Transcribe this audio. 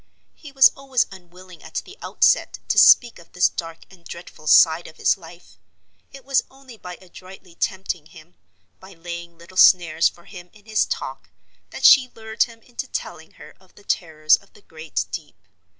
He was always unwilling at the outset to speak of this dark and dreadful side of his life: it was only by adroitly tempting him, by laying little snares for him in his talk, that she lured him into telling her of the terrors of the great deep.